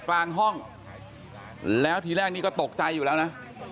กลางห้องแล้วทีแรกนี้ก็ตกใจอยู่แล้วนะ